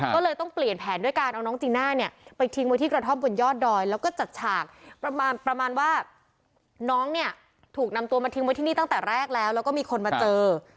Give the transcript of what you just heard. ก็เลยต้องเปลี่ยนแผนด้วยการเอาน้องจีน่าเนี่ยไปทิ้งไว้ที่กระท่อมบนยอดดอยแล้วก็จัดฉากประมาณประมาณว่าน้องเนี่ยถูกนำตัวมาทิ้งไว้ที่นี่ตั้งแต่แรกแล้วแล้วก็มีคนมาเจอ